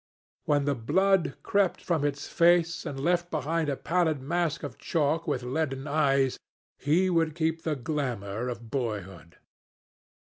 When the blood crept from its face, and left behind a pallid mask of chalk with leaden eyes, he would keep the glamour of boyhood.